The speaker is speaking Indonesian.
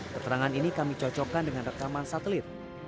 keterangan ini kami cocokkan dengan rekaman satelit